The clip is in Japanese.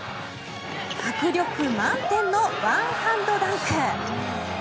迫力満点のワンハンドダンク。